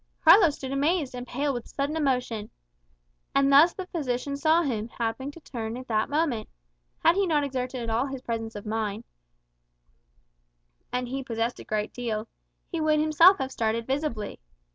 Carlos stood amazed, and pale with sudden emotion. And thus the physician saw him, happening to turn at that moment. Had he not exerted all his presence of mind (and he possessed a great deal), he would himself have started visibly.